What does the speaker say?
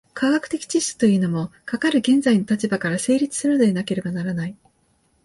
科学的知識というのも、かかる現実の立場から成立するのでなければならない。